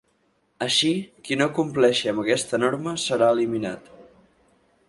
Així, qui no compleixi amb aquesta norma, serà eliminat.